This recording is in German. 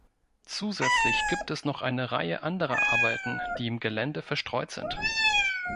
Zusätzlich gibt es noch eine Reihe anderer Arbeiten, die im Gelände verstreut sind.